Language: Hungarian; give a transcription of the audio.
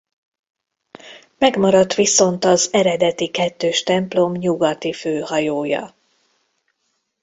Megmaradt viszont az eredeti kettős templom nyugati főhajója.